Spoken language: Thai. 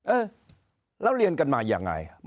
เออแล้วเรียนกันมายังไง